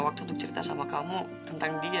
maka untuk kupu